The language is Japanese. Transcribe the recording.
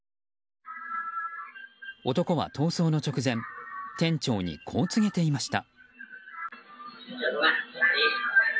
男は逃走の直前店長にこう告げていました。